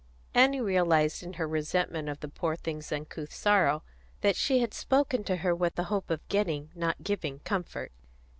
Annie realised, in her resentment of the poor thing's uncouth sorrow, that she had spoken to her with the hope of getting, not giving, comfort.